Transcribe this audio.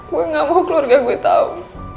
gue gak mau keluar gak gue tau